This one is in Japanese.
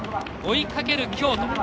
追いかける京都。